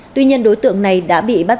tuy nhiên đối tượng này đã bị bắt